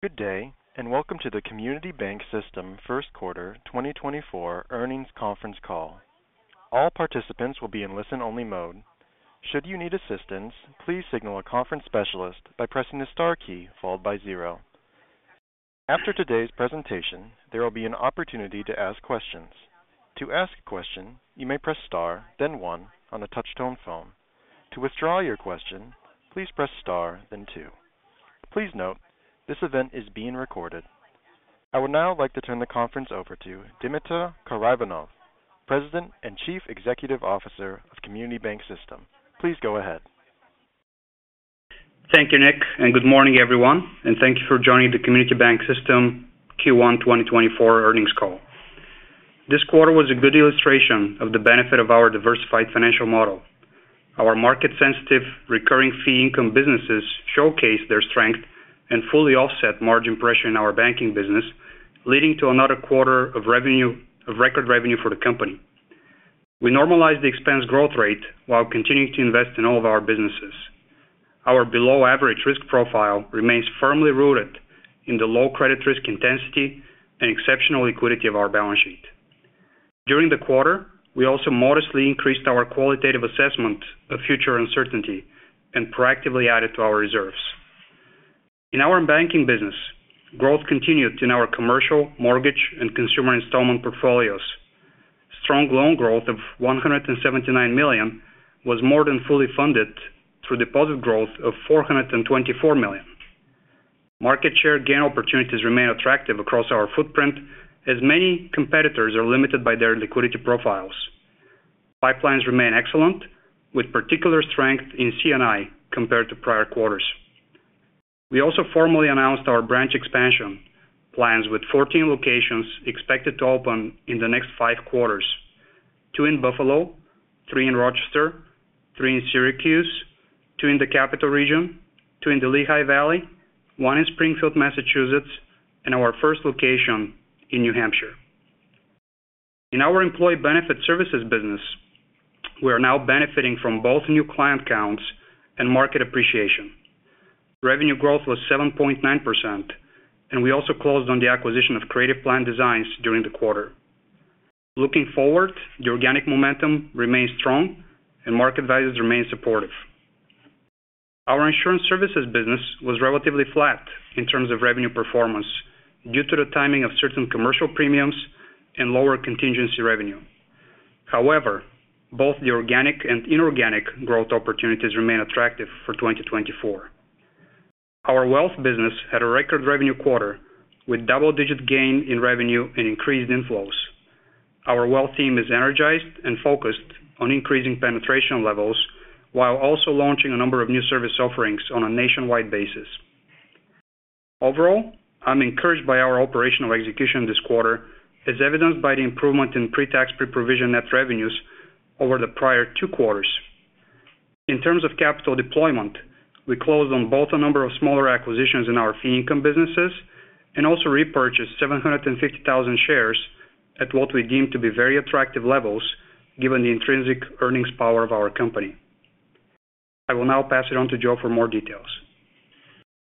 Good day and welcome to the Community Bank System first quarter 2024 earnings conference call. All participants will be in listen-only mode. Should you need assistance, please signal a conference specialist by pressing the star key followed by zero. After today's presentation, there will be an opportunity to ask questions. To ask a question, you may press star, then one, on a touch-tone phone. To withdraw your question, please press star, then two. Please note, this event is being recorded. I would now like to turn the conference over to Dimitar Karaivanov, President and Chief Executive Officer of Community Bank System. Please go ahead. Thank you, Nick, and good morning, everyone, and thank you for joining the Community Bank System Q1 2024 earnings call. This quarter was a good illustration of the benefit of our diversified financial model. Our market-sensitive, recurring-fee income businesses showcased their strength and fully offset margin pressure in our banking business, leading to another quarter of record revenue for the company. We normalized the expense growth rate while continuing to invest in all of our businesses. Our below-average risk profile remains firmly rooted in the low credit risk intensity and exceptional liquidity of our balance sheet. During the quarter, we also modestly increased our qualitative assessment of future uncertainty and proactively added to our reserves. In our banking business, growth continued in our commercial, mortgage, and consumer installment portfolios. Strong loan growth of $179 million was more than fully funded through deposit growth of $424 million. Market share gain opportunities remain attractive across our footprint as many competitors are limited by their liquidity profiles. Pipelines remain excellent, with particular strength in C&I compared to prior quarters. We also formally announced our branch expansion plans with 14 locations expected to open in the next 5 quarters: 2 in Buffalo, 3 in Rochester, 3 in Syracuse, 2 in the Capital Region, 2 in the Lehigh Valley, 1 in Springfield, Massachusetts, and our first location in New Hampshire. In our employee benefit services business, we are now benefiting from both new client counts and market appreciation. Revenue growth was 7.9%, and we also closed on the acquisition of Creative Plan Designs during the quarter. Looking forward, the organic momentum remains strong and market values remain supportive. Our insurance services business was relatively flat in terms of revenue performance due to the timing of certain commercial premiums and lower contingency revenue. However, both the organic and inorganic growth opportunities remain attractive for 2024. Our wealth business had a record revenue quarter with double-digit gain in revenue and increased inflows. Our wealth team is energized and focused on increasing penetration levels while also launching a number of new service offerings on a nationwide basis. Overall, I'm encouraged by our operational execution this quarter, as evidenced by the improvement in pre-tax, pre-provision net revenues over the prior two quarters. In terms of capital deployment, we closed on both a number of smaller acquisitions in our fee income businesses and also repurchased 750,000 shares at what we deem to be very attractive levels given the intrinsic earnings power of our company. I will now pass it on to Joe for more details.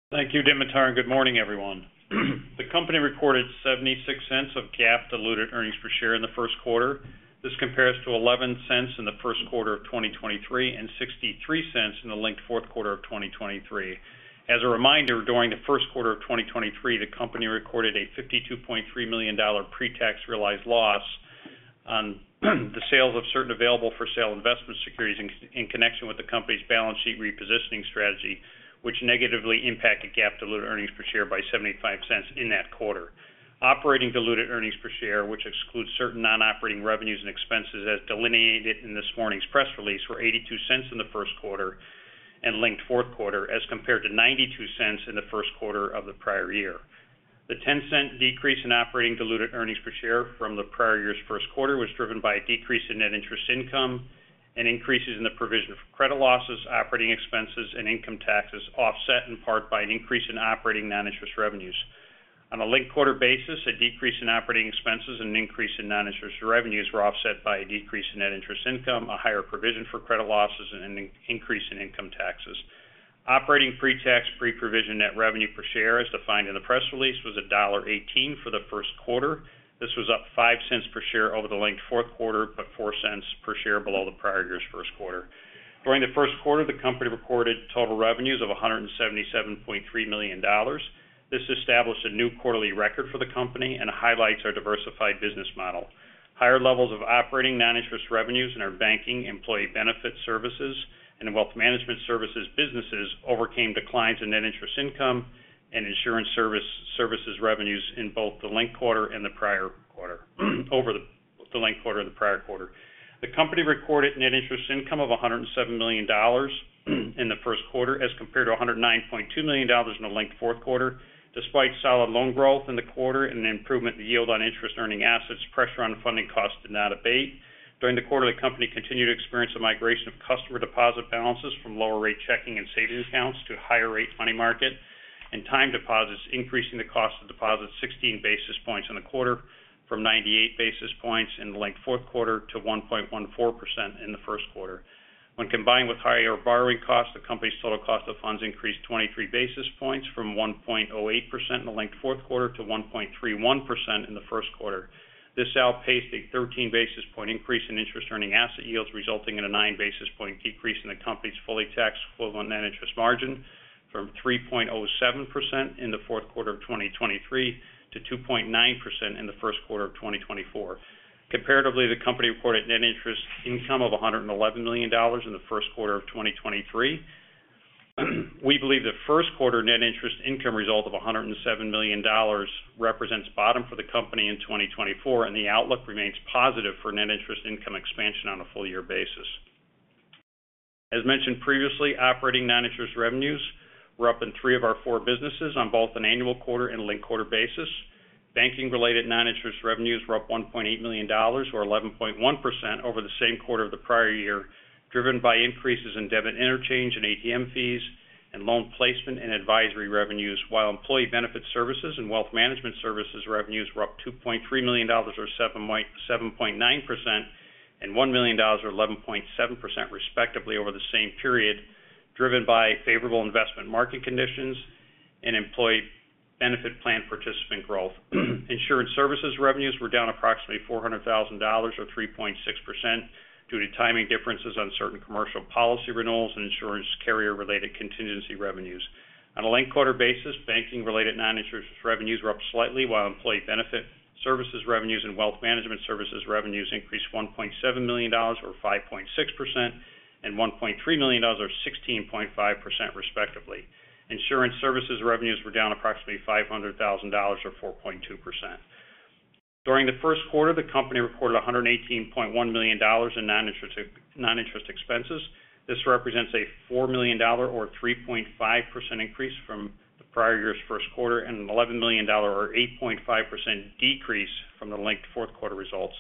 Thank you, Dimitar, and good morning, everyone. The company reported $0.76 of GAAP diluted earnings per share in the first quarter. This compares to $0.11 in the first quarter of 2023 and $0.63 in the linked fourth quarter of 2023. As a reminder, during the first quarter of 2023, the company recorded a $52.3 million pre-tax realized loss on the sales of certain available-for-sale investment securities in connection with the company's balance sheet repositioning strategy, which negatively impacted GAAP diluted earnings per share by $0.75 in that quarter. Operating diluted earnings per share, which excludes certain non-operating revenues and expenses as delineated in this morning's press release, were $0.82 in the first quarter and linked fourth quarter as compared to $0.92 in the first quarter of the prior year. The $0.10 decrease in operating diluted earnings per share from the prior year's first quarter was driven by a decrease in net interest income and increases in the provision for credit losses, operating expenses, and income taxes, offset in part by an increase in operating non-interest revenues. On a linked-quarter basis, a decrease in operating expenses and an increase in non-interest revenues were offset by a decrease in net interest income, a higher provision for credit losses, and an increase in income taxes. Operating pre-tax, pre-provision net revenue per share, as defined in the press release, was $1.18 for the first quarter. This was up $0.05 per share over the linked fourth quarter but $0.04 per share below the prior year's first quarter. During the first quarter, the company recorded total revenues of $177.3 million. This established a new quarterly record for the company and highlights our diversified business model. Higher levels of operating non-interest revenues in our banking, employee benefit services, and wealth management services businesses overcame declines in net interest income and insurance services revenues in both the linked quarter and the prior quarter. The company recorded net interest income of $107 million in the first quarter as compared to $109.2 million in the linked fourth quarter. Despite solid loan growth in the quarter and an improvement in the yield on interest earning assets, pressure on funding costs did not abate. During the quarter, the company continued to experience a migration of customer deposit balances from lower-rate checking and savings accounts to higher-rate money market and time deposits, increasing the cost of deposits 16 basis points in the quarter from 98 basis points in the linked fourth quarter to 1.14% in the first quarter. When combined with higher borrowing costs, the company's total cost of funds increased 23 basis points from 1.08% in the linked fourth quarter to 1.31% in the first quarter. This outpaced a 13-basis-point increase in interest earning asset yields, resulting in a 9-basis-point decrease in the company's fully tax-equivalent net interest margin from 3.07% in the fourth quarter of 2023 to 2.9% in the first quarter of 2024. Comparatively, the company recorded net interest income of $111 million in the first quarter of 2023. We believe the first quarter net interest income result of $107 million represents the bottom for the company in 2024, and the outlook remains positive for net interest income expansion on a full-year basis. As mentioned previously, operating non-interest revenues were up in three of our four businesses on both an annual quarter and linked quarter basis. Banking-related non-interest revenues were up $1.8 million or 11.1% over the same quarter of the prior year, driven by increases in debit interchange and ATM fees and loan placement and advisory revenues, while employee benefit services and wealth management services revenues were up $2.3 million or 7.9% and $1 million or 11.7% respectively over the same period, driven by favorable investment market conditions and employee benefit plan participant growth. Insurance services revenues were down approximately $400,000 or 3.6% due to timing differences on certain commercial policy renewals and insurance carrier-related contingency revenues. On a linked quarter basis, banking-related non-interest revenues were up slightly, while employee benefit services revenues and wealth management services revenues increased $1.7 million or 5.6% and $1.3 million or 16.5% respectively. Insurance services revenues were down approximately $500,000 or 4.2%. During the first quarter, the company recorded $118.1 million in non-interest expenses. This represents a $4 million or 3.5% increase from the prior year's first quarter and an $11 million or 8.5% decrease from the linked fourth quarter results.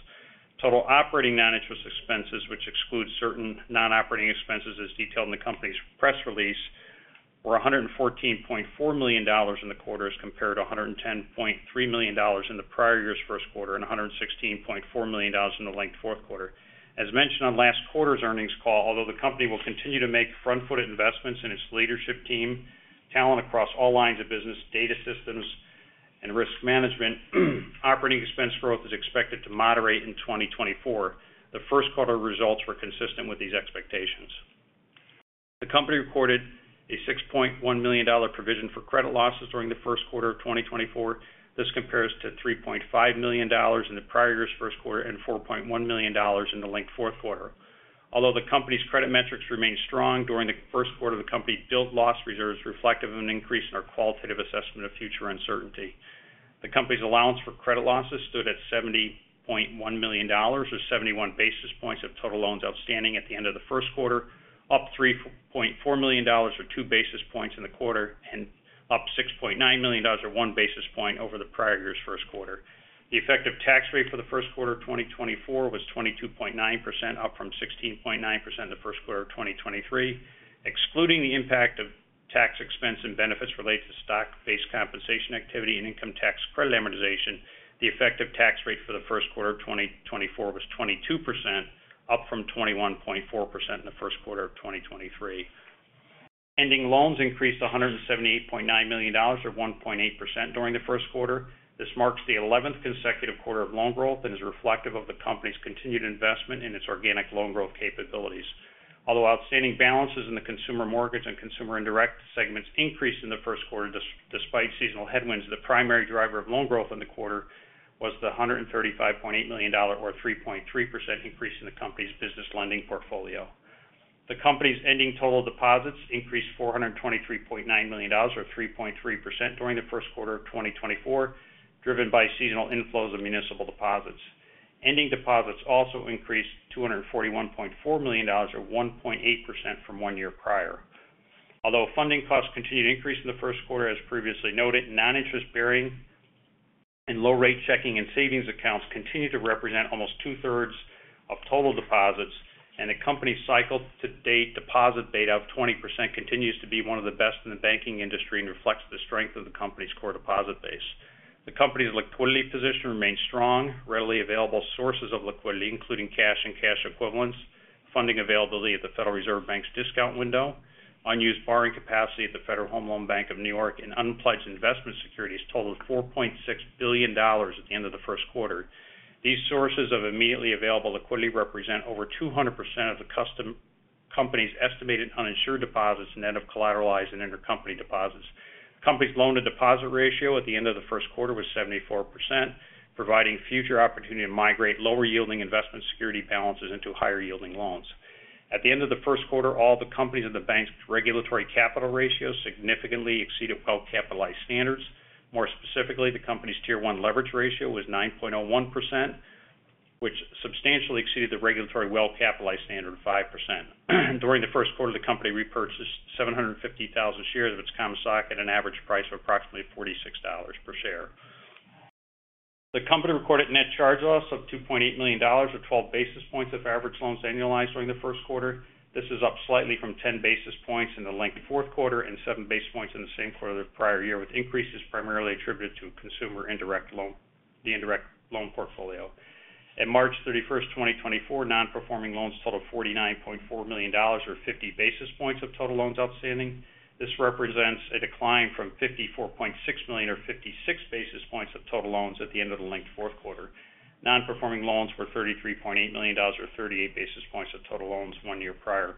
Total operating non-interest expenses, which exclude certain non-operating expenses as detailed in the company's press release, were $114.4 million in the quarters compared to $110.3 million in the prior year's first quarter and $116.4 million in the linked fourth quarter. As mentioned on last quarter's earnings call, although the company will continue to make front-footed investments in its leadership team, talent across all lines of business, data systems, and risk management, operating expense growth is expected to moderate in 2024. The first quarter results were consistent with these expectations. The company recorded a $6.1 million provision for credit losses during the first quarter of 2024. This compares to $3.5 million in the prior year's first quarter and $4.1 million in the linked fourth quarter. Although the company's credit metrics remained strong during the first quarter, the company built loss reserves reflective of an increase in our qualitative assessment of future uncertainty. The company's allowance for credit losses stood at $70.1 million or 71 basis points of total loans outstanding at the end of the first quarter, up $3.4 million or two basis points in the quarter, and up $6.9 million or one basis point over the prior year's first quarter. The effective tax rate for the first quarter of 2024 was 22.9%, up from 16.9% in the first quarter of 2023. Excluding the impact of tax expense and benefits related to stock-based compensation activity and income tax credit amortization, the effective tax rate for the first quarter of 2024 was 22%, up from 21.4% in the first quarter of 2023. Pending loans increased to $178.9 million or 1.8% during the first quarter. This marks the 11th consecutive quarter of loan growth and is reflective of the company's continued investment in its organic loan growth capabilities. Although outstanding balances in the consumer mortgage and consumer indirect segments increased in the first quarter despite seasonal headwinds, the primary driver of loan growth in the quarter was the $135.8 million or 3.3% increase in the company's business lending portfolio. The company's ending total deposits increased $423.9 million or 3.3% during the first quarter of 2024, driven by seasonal inflows of municipal deposits. Ending deposits also increased $241.4 million or 1.8% from one year prior. Although funding costs continued to increase in the first quarter, as previously noted, non-interest bearing and low-rate checking and savings accounts continue to represent almost two-thirds of total deposits, and the company's cycle-to-date deposit beta of 20% continues to be one of the best in the banking industry and reflects the strength of the company's core deposit base. The company's liquidity position remains strong. Readily available sources of liquidity, including cash and cash equivalents, funding availability at the Federal Reserve Bank's discount window, unused borrowing capacity at the Federal Home Loan Bank of New York, and unpledged investment securities totaled $4.6 billion at the end of the first quarter. These sources of immediately available liquidity represent over 200% of the company's estimated uninsured deposits net of collateralized and intercompany deposits. The company's loan-to-deposit ratio at the end of the first quarter was 74%, providing future opportunity to migrate lower-yielding investment security balances into higher-yielding loans. At the end of the first quarter, all the companies and the bank's regulatory capital ratios significantly exceeded well-capitalized standards. More specifically, the company's Tier 1 leverage ratio was 9.01%, which substantially exceeded the regulatory well-capitalized standard of 5%. During the first quarter, the company repurchased 750,000 shares of its common stock at an average price of approximately $46 per share. The company recorded net charge-offs of $2.8 million or 12 basis points of average loans annualized during the first quarter. This is up slightly from 10 basis points in the linked fourth quarter and 7 basis points in the same quarter of the prior year, with increases primarily attributed to consumer indirect loans, the indirect loan portfolio. On March 31st, 2024, non-performing loans totaled $49.4 million or 50 basis points of total loans outstanding. This represents a decline from $54.6 million or 56 basis points of total loans at the end of the linked fourth quarter. Non-performing loans were $33.8 million or 38 basis points of total loans one year prior.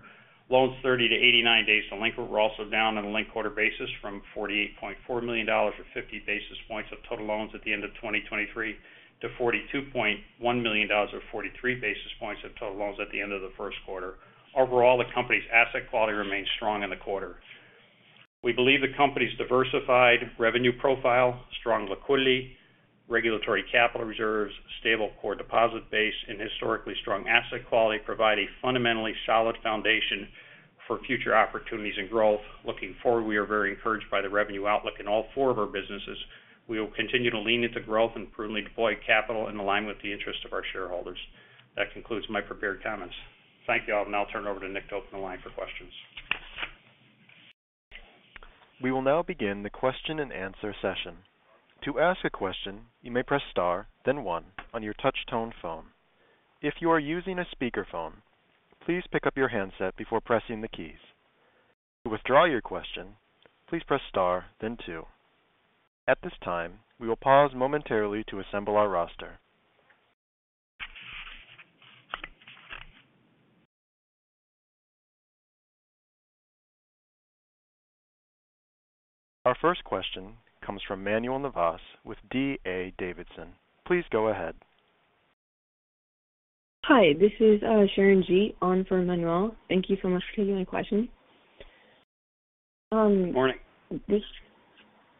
Loans 30 to 89 days delinquent were also down on a linked-quarter basis from $48.4 million or 50 basis points of total loans at the end of 2023 to $42.1 million or 43 basis points of total loans at the end of the first quarter. Overall, the company's asset quality remained strong in the quarter. We believe the company's diversified revenue profile, strong liquidity, regulatory capital reserves, stable core deposit base, and historically strong asset quality provide a fundamentally solid foundation for future opportunities and growth. Looking forward, we are very encouraged by the revenue outlook in all four of our businesses. We will continue to lean into growth and prudently deploy capital in alignment with the interests of our shareholders. That concludes my prepared comments. Thank you all, and I'll turn it over to Nick to open the line for questions. We will now begin the question-and-answer session. To ask a question, you may press star, then one, on your touch-tone phone. If you are using a speakerphone, please pick up your handset before pressing the keys. To withdraw your question, please press star, then two. At this time, we will pause momentarily to assemble our roster. Our first question comes from Manuel Navas with D.A. Davidson. Please go ahead. Hi. This is Sharon Jeet on for Manuel. Thank you so much for taking my question. Morning.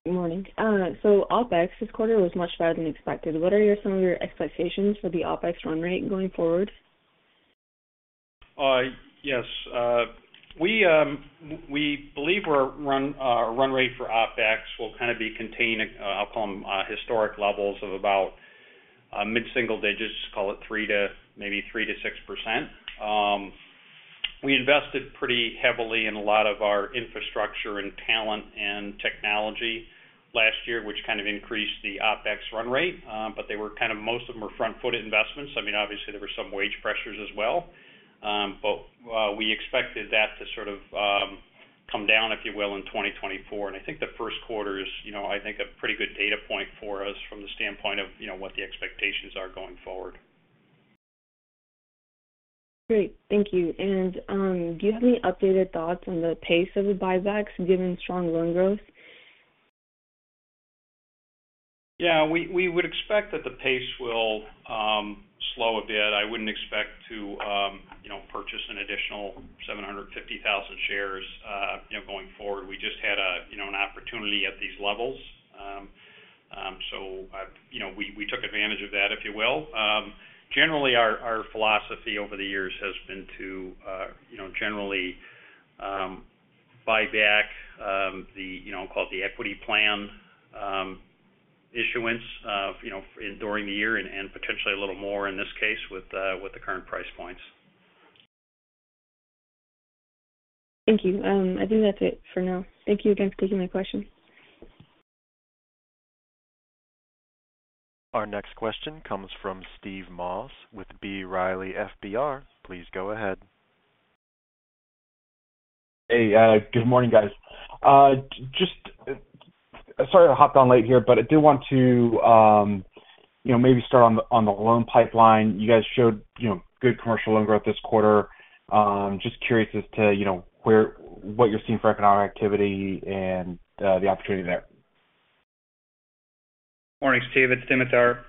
Morning. OpEx this quarter was much better than expected. What are some of your expectations for the OpEx run rate going forward? Yes. We believe our run rate for OpEx will kind of be contained. I'll call them historic levels of about mid-single digits. Just call it maybe 3%-6%. We invested pretty heavily in a lot of our infrastructure and talent and technology last year, which kind of increased the OpEx run rate. But most of them were front-footed investments. I mean, obviously, there were some wage pressures as well. But we expected that to sort of come down, if you will, in 2024. And I think the first quarter is, I think, a pretty good data point for us from the standpoint of what the expectations are going forward. Great. Thank you. Do you have any updated thoughts on the pace of the buybacks given strong loan growth? Yeah. We would expect that the pace will slow a bit. I wouldn't expect to purchase an additional 750,000 shares going forward. We just had an opportunity at these levels. So we took advantage of that, if you will. Generally, our philosophy over the years has been to generally buy back the I'll call it the equity plan issuance during the year and potentially a little more in this case with the current price points. Thank you. I think that's it for now. Thank you again for taking my question. Our next question comes from Steve Moss with B. Riley FBR. Please go ahead. Hey. Good morning, guys. Sorry I hopped on late here, but I did want to maybe start on the loan pipeline. You guys showed good commercial loan growth this quarter. Just curious as to what you're seeing for economic activity and the opportunity there. Morning, Steve. It's Dimitar.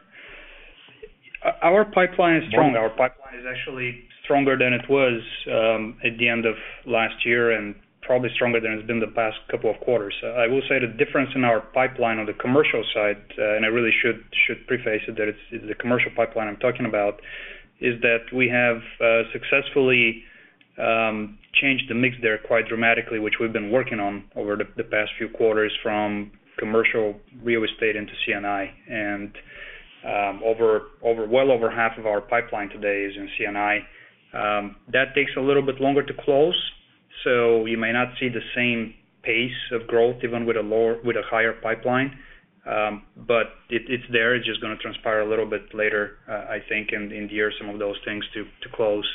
Our pipeline is strong. Our pipeline is actually stronger than it was at the end of last year and probably stronger than it's been the past couple of quarters. I will say the difference in our pipeline on the commercial side - and I really should preface it that it's the commercial pipeline I'm talking about - is that we have successfully changed the mix there quite dramatically, which we've been working on over the past few quarters, from commercial real estate into C&I. And well over half of our pipeline today is in C&I. That takes a little bit longer to close, so you may not see the same pace of growth even with a higher pipeline. But it's there. It's just going to transpire a little bit later, I think, in the year some of those things to close.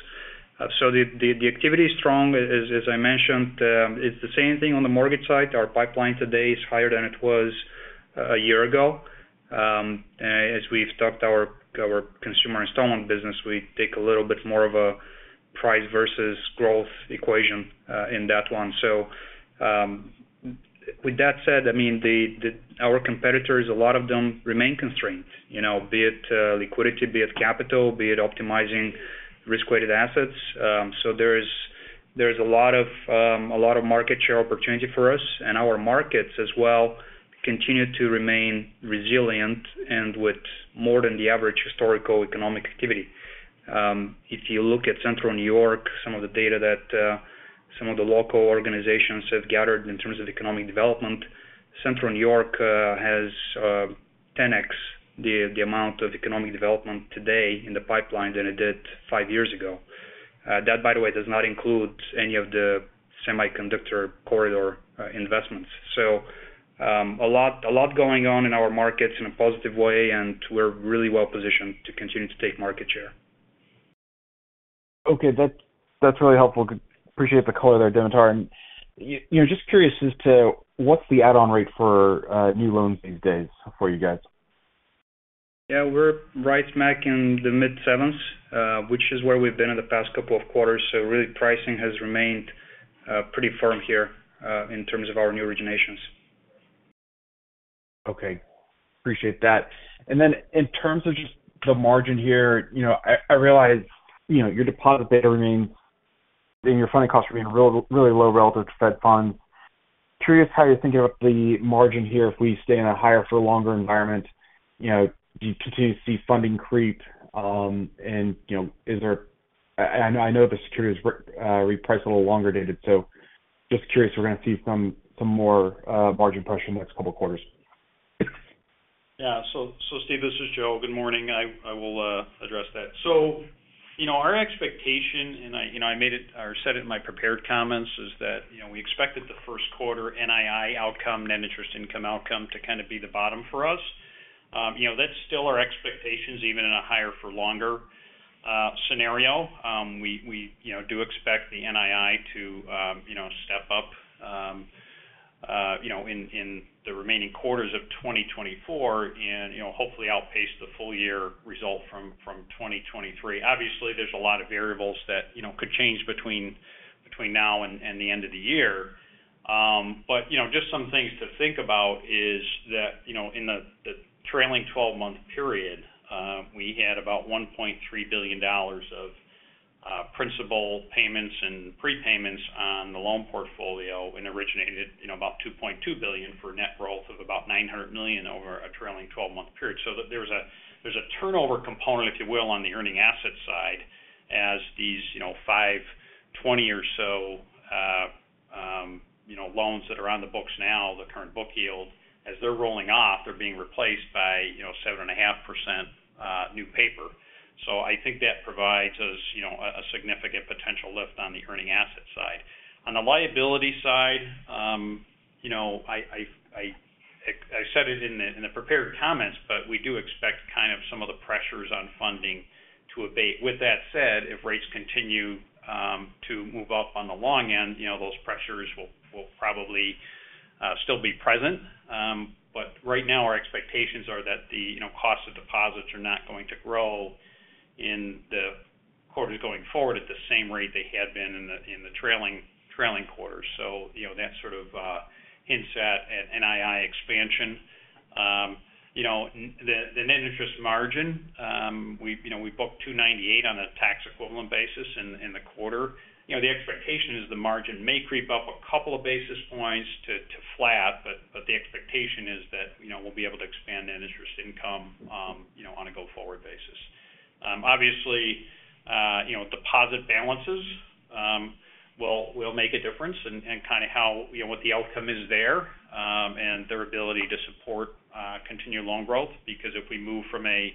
So the activity is strong. As I mentioned, it's the same thing on the mortgage side. Our pipeline today is higher than it was a year ago. As we've talked, our consumer installment business, we take a little bit more of a price versus growth equation in that one. So with that said, I mean, our competitors, a lot of them remain constrained, be it liquidity, be it capital, be it optimizing risk-weighted assets. So there's a lot of market share opportunity for us, and our markets as well continue to remain resilient and with more than the average historical economic activity. If you look at Central New York, some of the data that some of the local organizations have gathered in terms of economic development, Central New York has 10x the amount of economic development today in the pipeline than it did five years ago. That, by the way, does not include any of the semiconductor corridor investments. So a lot going on in our markets in a positive way, and we're really well-positioned to continue to take market share. Okay. That's really helpful. Appreciate the color there, Dimitar. Just curious as to what's the add-on rate for new loans these days for you guys? Yeah. We're right back in the mid-sevens, which is where we've been in the past couple of quarters. So really, pricing has remained pretty firm here in terms of our new originations. Okay. Appreciate that. And then in terms of just the margin here, I realize your deposit beta remains and your funding costs remain really low relative to Fed funds. Curious how you're thinking about the margin here if we stay in a higher-for-longer environment. Do you continue to see funding creep, and is there, I know, the securities reprice a little longer-dated. So just curious, we're going to see some more margin pressure in the next couple of quarters. Yeah. So Steve, this is Joe. Good morning. I will address that. So our expectation, and I made it or said it in my prepared comments, is that we expected the first quarter NII outcome, net interest income outcome, to kind of be the bottom for us. That's still our expectations even in a higher-for-longer scenario. We do expect the NII to step up in the remaining quarters of 2024 and hopefully outpace the full-year result from 2023. Obviously, there's a lot of variables that could change between now and the end of the year. But just some things to think about is that in the trailing 12-month period, we had about $1.3 billion of principal payments and prepayments on the loan portfolio and originated about $2.2 billion for net growth of about $900 million over a trailing 12-month period. So there's a turnover component, if you will, on the earning asset side as these five 20-or-so loans that are on the books now, the current book yield, as they're rolling off, they're being replaced by 7.5% new paper. So I think that provides us a significant potential lift on the earning asset side. On the liability side, I said it in the prepared comments, but we do expect kind of some of the pressures on funding to abate. With that said, if rates continue to move up on the long end, those pressures will probably still be present. But right now, our expectations are that the cost of deposits are not going to grow in the quarters going forward at the same rate they had been in the trailing quarters. So that sort of hints at NII expansion. The net interest margin, we booked 298 on a tax equivalent basis in the quarter. The expectation is the margin may creep up a couple of basis points to flat, but the expectation is that we'll be able to expand net interest income on a go-forward basis. Obviously, deposit balances will make a difference in kind of what the outcome is there and their ability to support continued loan growth because if we move from a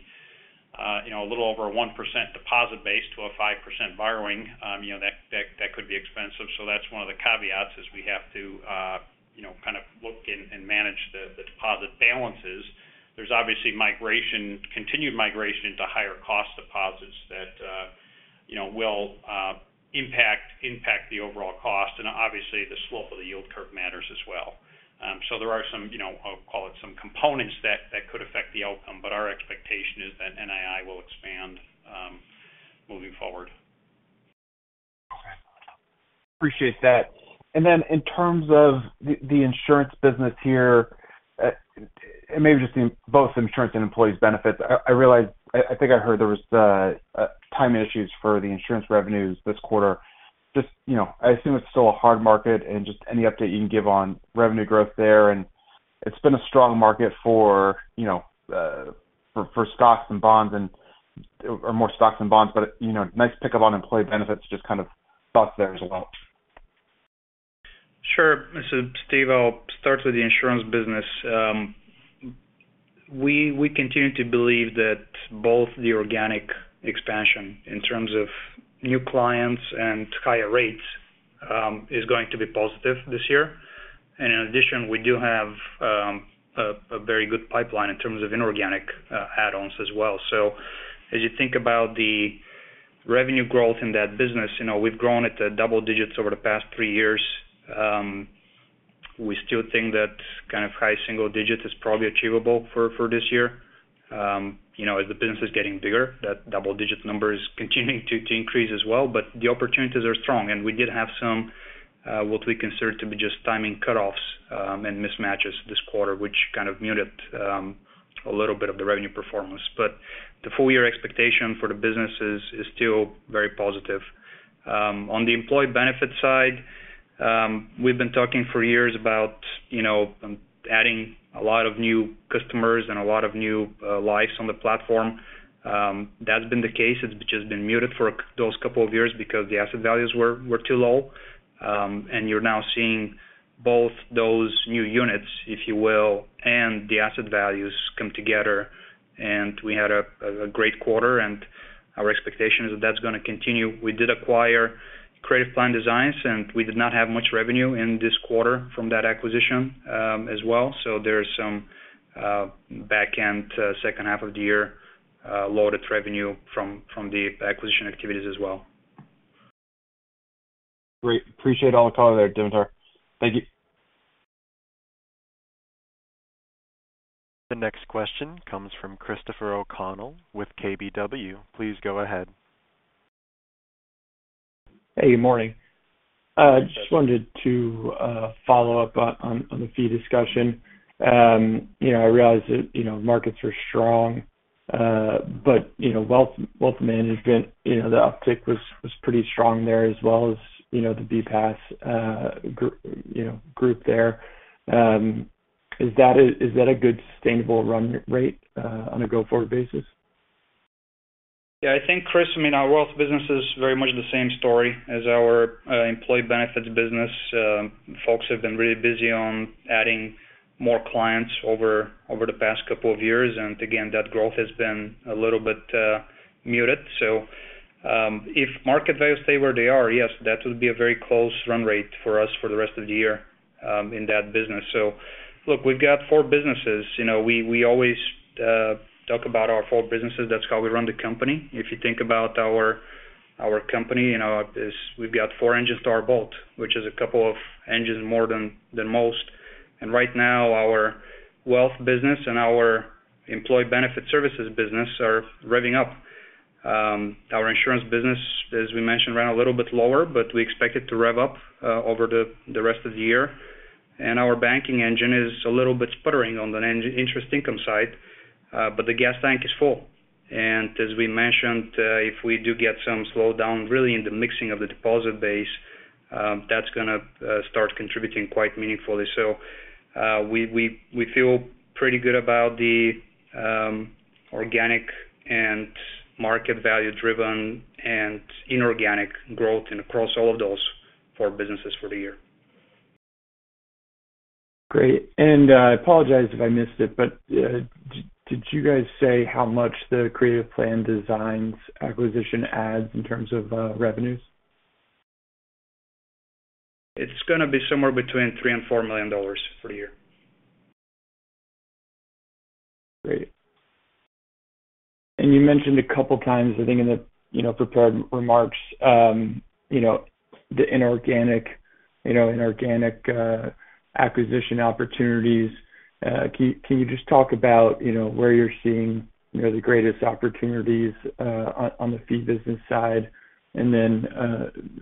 little over a 1% deposit base to a 5% borrowing, that could be expensive. So that's one of the caveats is we have to kind of look and manage the deposit balances. There's obviously continued migration to higher-cost deposits that will impact the overall cost. Obviously, the slope of the yield curve matters as well. There are some I'll call it some components that could affect the outcome, but our expectation is that NII will expand moving forward. Okay. Appreciate that. And then in terms of the insurance business here and maybe just both insurance and employees' benefits, I think I heard there was timing issues for the insurance revenues this quarter. I assume it's still a hard market and just any update you can give on revenue growth there. And it's been a strong market for stocks and bonds or more stocks and bonds, but nice pickup on employee benefits. Just kind of thoughts there as well. Sure. Mr. Steve, I'll start with the insurance business. We continue to believe that both the organic expansion in terms of new clients and higher rates is going to be positive this year. In addition, we do have a very good pipeline in terms of inorganic add-ons as well. As you think about the revenue growth in that business, we've grown at double digits over the past 3 years. We still think that kind of high single digit is probably achievable for this year. As the business is getting bigger, that double-digit number is continuing to increase as well. The opportunities are strong. We did have some what we consider to be just timing cutoffs and mismatches this quarter, which kind of muted a little bit of the revenue performance. The full-year expectation for the businesses is still very positive. On the employee benefit side, we've been talking for years about adding a lot of new customers and a lot of new lives on the platform. That's been the case. It's just been muted for those couple of years because the asset values were too low. And you're now seeing both those new units, if you will, and the asset values come together. And we had a great quarter, and our expectation is that that's going to continue. We did acquire Creative Plan Designs, and we did not have much revenue in this quarter from that acquisition as well. So there's some back-end second half of the year loaded revenue from the acquisition activities as well. Great. Appreciate all the color there, Dimitar. Thank you. The next question comes from Christopher O'Connell with KBW. Please go ahead. Hey. Good morning. I just wanted to follow up on the fee discussion. I realize that markets are strong, but wealth management, the uptick was pretty strong there as well as the BPAS group there. Is that a good sustainable run rate on a go-forward basis? Yeah. I think, Chris, I mean, our wealth business is very much the same story as our employee benefits business. Folks have been really busy on adding more clients over the past couple of years. And again, that growth has been a little bit muted. So if market values stay where they are, yes, that would be a very close run rate for us for the rest of the year in that business. So look, we've got four businesses. We always talk about our four businesses. That's how we run the company. If you think about our company, we've got four engines to our boat, which is a couple of engines more than most. And right now, our wealth business and our employee benefit services business are revving up. Our insurance business, as we mentioned, ran a little bit lower, but we expect it to rev up over the rest of the year. And our banking engine is a little bit sputtering on the interest income side, but the gas tank is full. And as we mentioned, if we do get some slowdown really in the mixing of the deposit base, that's going to start contributing quite meaningfully. So we feel pretty good about the organic and market-value-driven and inorganic growth across all of those four businesses for the year. Great. I apologize if I missed it, but did you guys say how much the Creative Plan Designs acquisition adds in terms of revenues? It's going to be somewhere between $3 million and $4 million for the year. Great. And you mentioned a couple of times, I think, in the prepared remarks, the inorganic acquisition opportunities. Can you just talk about where you're seeing the greatest opportunities on the fee business side and then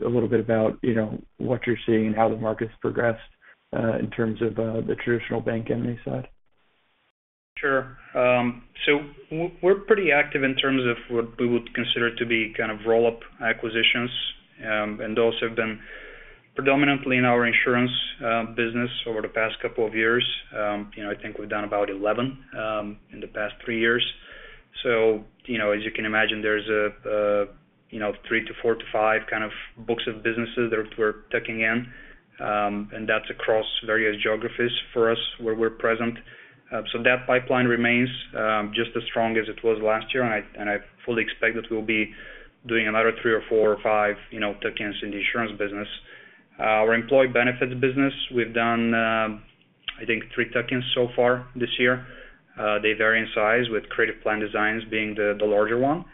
a little bit about what you're seeing and how the market's progressed in terms of the traditional bank M&A side? Sure. We're pretty active in terms of what we would consider to be kind of roll-up acquisitions. Those have been predominantly in our insurance business over the past couple of years. I think we've done about 11 in the past 3 years. As you can imagine, there's 3 to 4 to 5 kind of books of businesses that we're tucking in, and that's across various geographies for us where we're present. That pipeline remains just as strong as it was last year, and I fully expect that we'll be doing another 3 or 4 or 5 tuck-ins in the insurance business. Our employee benefits business, we've done, I think, 3 tuck-ins so far this year. They vary in size with Creative Plan Designs being the larger one.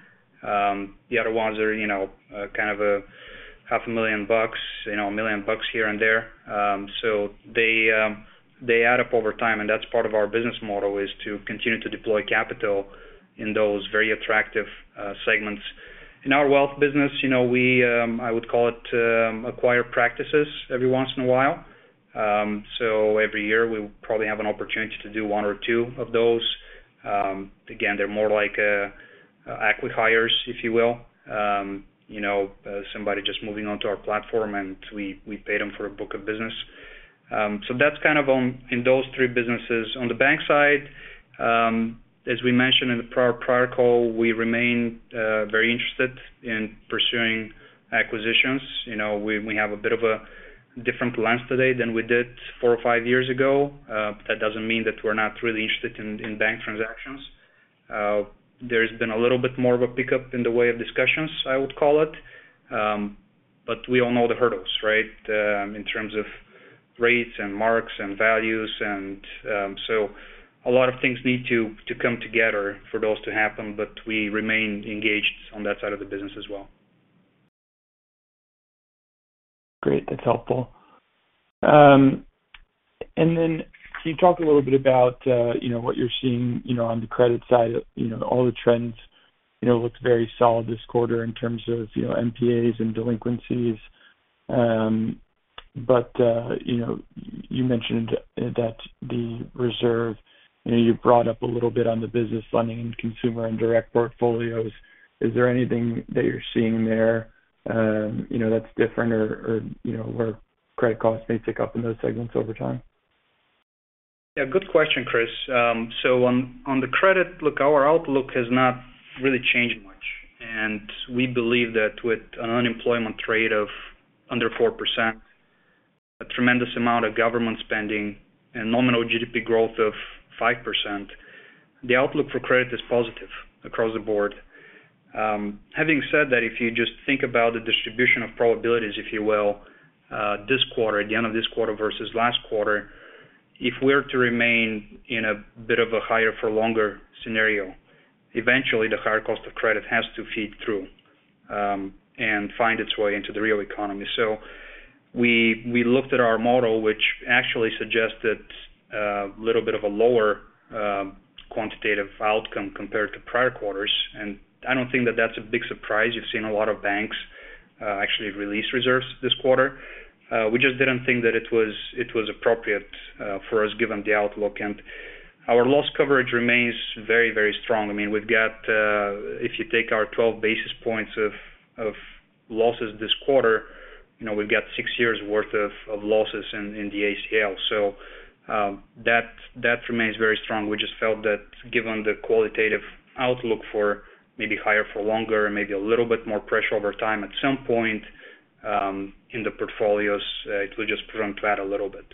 The other ones are kind of $500,000, $1 million here and there. So they add up over time, and that's part of our business model is to continue to deploy capital in those very attractive segments. In our wealth business, I would call it acquire practices every once in a while. So every year, we probably have an opportunity to do 1 or 2 of those. Again, they're more like acquihires, if you will, somebody just moving onto our platform, and we pay them for a book of business. So that's kind of in those three businesses. On the bank side, as we mentioned in the prior call, we remain very interested in pursuing acquisitions. We have a bit of a different lens today than we did 4 or 5 years ago. That doesn't mean that we're not really interested in bank transactions. There's been a little bit more of a pickup in the way of discussions, I would call it. But we all know the hurdles, right, in terms of rates and marks and values. And so a lot of things need to come together for those to happen, but we remain engaged on that side of the business as well. Great. That's helpful. And then you talked a little bit about what you're seeing on the credit side. All the trends looked very solid this quarter in terms of NPAs and delinquencies. But you mentioned that the reserve you brought up a little bit on the business funding and consumer and direct portfolios. Is there anything that you're seeing there that's different or where credit costs may pick up in those segments over time? Yeah. Good question, Chris. So on the credit, look, our outlook has not really changed much. And we believe that with an unemployment rate of under 4%, a tremendous amount of government spending, and nominal GDP growth of 5%, the outlook for credit is positive across the board. Having said that, if you just think about the distribution of probabilities, if you will, this quarter, at the end of this quarter versus last quarter, if we're to remain in a bit of a higher-for-longer scenario, eventually, the higher cost of credit has to feed through and find its way into the real economy. So we looked at our model, which actually suggested a little bit of a lower quantitative outcome compared to prior quarters. And I don't think that that's a big surprise. You've seen a lot of banks actually release reserves this quarter. We just didn't think that it was appropriate for us given the outlook. Our loss coverage remains very, very strong. I mean, if you take our 12 basis points of losses this quarter, we've got six years' worth of losses in the ACL. So that remains very strong. We just felt that given the qualitative outlook for maybe higher-for-longer and maybe a little bit more pressure over time at some point in the portfolios, it would just present flat a little bit.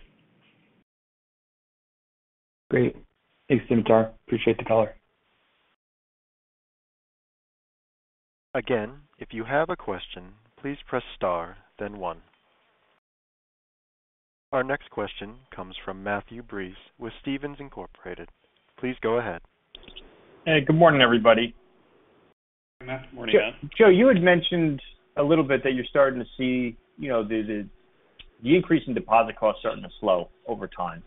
Great. Thanks, Dimitar. Appreciate the color. Again, if you have a question, please press star, then one. Our next question comes from Matthew Breese with Stephens Inc. Please go ahead. Hey. Good morning, everybody. Hi, Matt. Good morning, Matt. Joe, you had mentioned a little bit that you're starting to see the increase in deposit costs starting to slow over time.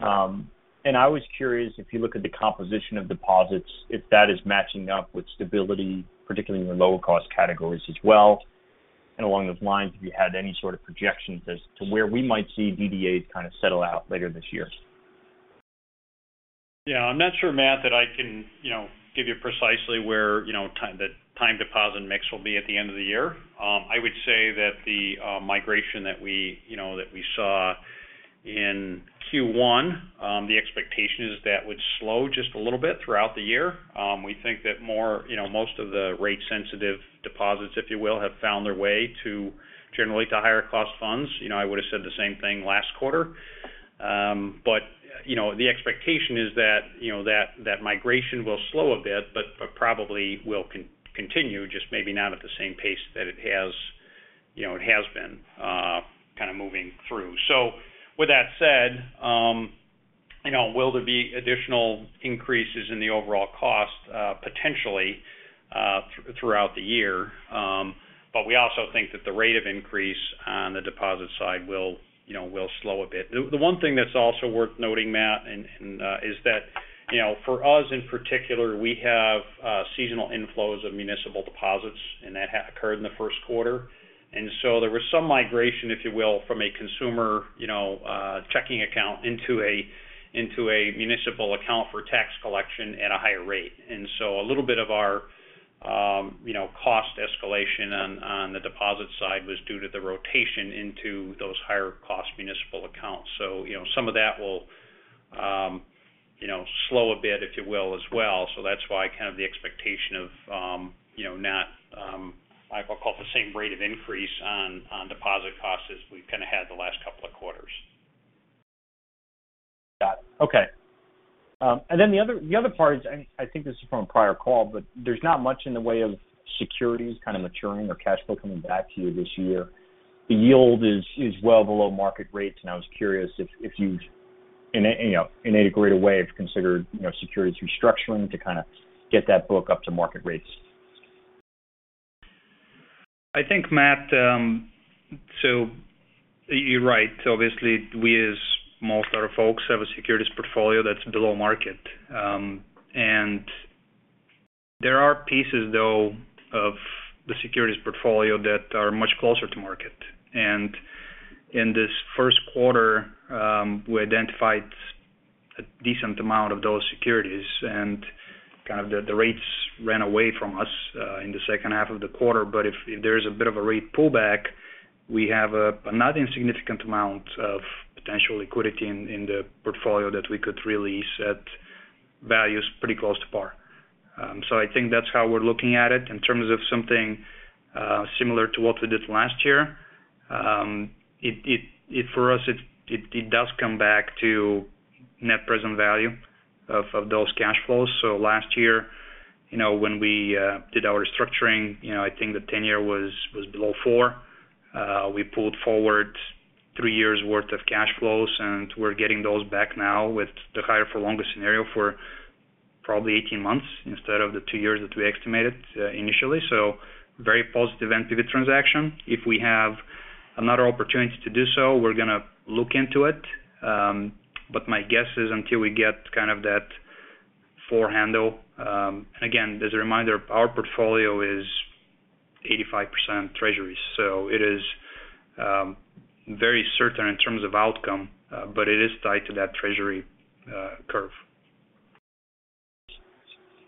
I was curious, if you look at the composition of deposits, if that is matching up with stability, particularly in your lower-cost categories as well? Along those lines, if you had any sort of projections as to where we might see DDAs kind of settle out later this year? Yeah. I'm not sure, Matt, that I can give you precisely where the time deposit mix will be at the end of the year. I would say that the migration that we saw in Q1, the expectation is that would slow just a little bit throughout the year. We think that most of the rate-sensitive deposits, if you will, have found their way generally to higher-cost funds. I would have said the same thing last quarter. But the expectation is that that migration will slow a bit but probably will continue, just maybe not at the same pace that it has been kind of moving through. So with that said, will there be additional increases in the overall cost potentially throughout the year? But we also think that the rate of increase on the deposit side will slow a bit. The one thing that's also worth noting, Matt, is that for us in particular, we have seasonal inflows of municipal deposits, and that occurred in the first quarter. And so there was some migration, if you will, from a consumer checking account into a municipal account for tax collection at a higher rate. And so a little bit of our cost escalation on the deposit side was due to the rotation into those higher-cost municipal accounts. So some of that will slow a bit, if you will, as well. So that's why kind of the expectation of not, I'll call it, the same rate of increase on deposit costs as we've kind of had the last couple of quarters. Got it. Okay. And then the other part is, and I think this is from a prior call, but there's not much in the way of securities kind of maturing or cash flow coming back to you this year. The yield is well below market rates. And I was curious if you've, in any degree or way, considered securities restructuring to kind of get that book up to market rates? I think, Matt, so you're right. Obviously, we, as most other folks, have a securities portfolio that's below market. And there are pieces, though, of the securities portfolio that are much closer to market. And in this first quarter, we identified a decent amount of those securities, and kind of the rates ran away from us in the second half of the quarter. But if there is a bit of a rate pullback, we have a not insignificant amount of potential liquidity in the portfolio that we could release at values pretty close to par. So I think that's how we're looking at it. In terms of something similar to what we did last year, for us, it does come back to net present value of those cash flows. So last year, when we did our restructuring, I think the 10-year was below 4. We pulled forward three years' worth of cash flows, and we're getting those back now with the higher-for-longer scenario for probably 18 months instead of the two years that we estimated initially. So very positive NPV transaction. If we have another opportunity to do so, we're going to look into it. But my guess is until we get kind of that 4 handle and again, as a reminder, our portfolio is 85% treasuries. So it is very certain in terms of outcome, but it is tied to that treasury curve.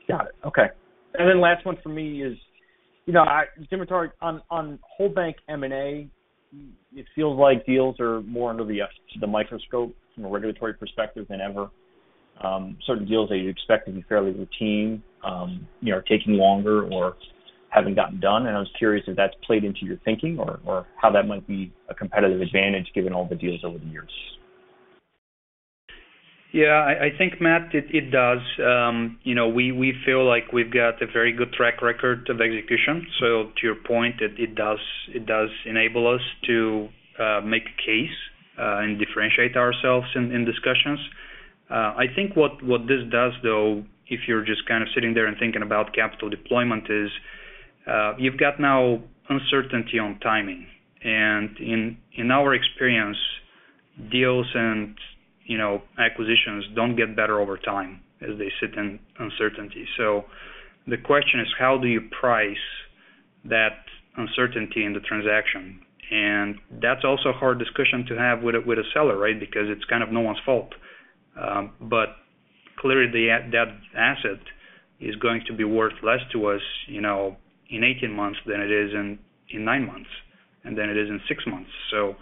Got it. Okay. And then last one for me is, Dimitar, on whole bank M&A, it feels like deals are more under the microscope from a regulatory perspective than ever. Certain deals that you'd expect to be fairly routine are taking longer or haven't gotten done. And I was curious if that's played into your thinking or how that might be a competitive advantage given all the deals over the years. Yeah. I think, Matt, it does. We feel like we've got a very good track record of execution. So to your point, it does enable us to make a case and differentiate ourselves in discussions. I think what this does, though, if you're just kind of sitting there and thinking about capital deployment, is you've got now uncertainty on timing. And in our experience, deals and acquisitions don't get better over time as they sit in uncertainty. So the question is, how do you price that uncertainty in the transaction? And that's also a hard discussion to have with a seller, right, because it's kind of no one's fault. But clearly, that asset is going to be worth less to us in 18 months than it is in nine months and then it is in six months. So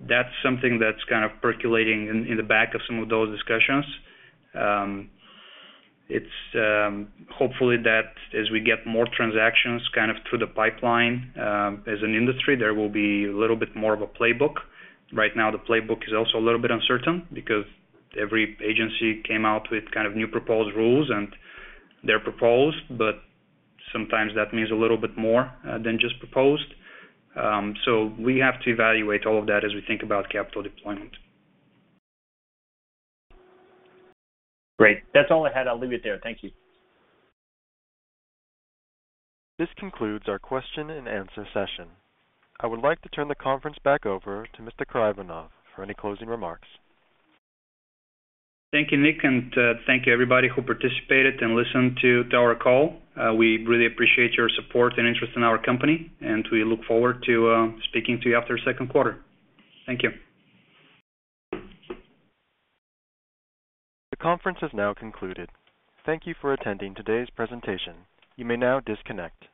that's something that's kind of percolating in the back of some of those discussions. Hopefully, that as we get more transactions kind of through the pipeline as an industry, there will be a little bit more of a playbook. Right now, the playbook is also a little bit uncertain because every agency came out with kind of new proposed rules, and they're proposed, but sometimes that means a little bit more than just proposed. So we have to evaluate all of that as we think about capital deployment. Great. That's all I had. I'll leave it there. Thank you. This concludes our question-and-answer session. I would like to turn the conference back over to Mr. Karaivanov for any closing remarks. Thank you, Nick, and thank you, everybody, who participated and listened to our call. We really appreciate your support and interest in our company, and we look forward to speaking to you after second quarter. Thank you. The conference has now concluded. Thank you for attending today's presentation. You may now disconnect.